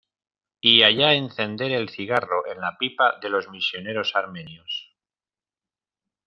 y allá encender el cigarro en la pipa de los misioneros armenios.